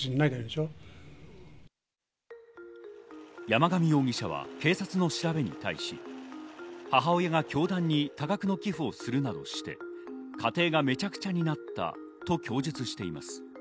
山上容疑者は警察の調べに対し、母親が教団に多額の寄付をするなどして、家庭がめちゃくちゃになったと供述しています。